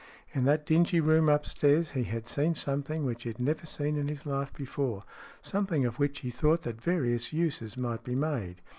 In that dingy room upstairs he had seen something which he had never seen in his life before, something of which he thought that various uses might be made.